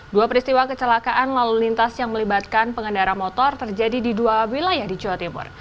dua peristiwa kecelakaan lalu lintas yang melibatkan pengendara motor terjadi di dua wilayah di jawa timur